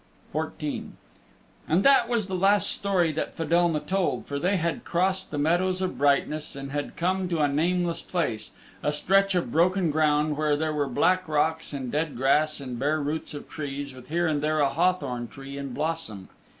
XIV And that was the last story that Fedelma told, for they had crossed the Meadows of Brightness and had come to a nameless place a stretch of broken ground where there were black rocks and dead grass and bare roots of trees with here and there a hawthorn tree in blossom.